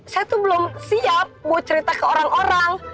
saya tuh belum siap buat cerita ke orang orang